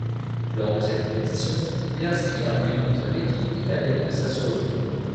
Lors de cette compétition, il inscrit un but contre l'équipe italienne de Sassuolo.